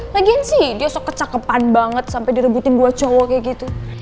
lagian sih dia sok kecakepan banget sampai direbutin dua cowok kayak gitu